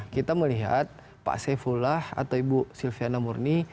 kita melihat pak saifulah atau ibu silviana munsni